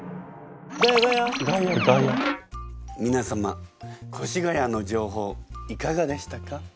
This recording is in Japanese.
みな様越谷の情報いかがでしたか？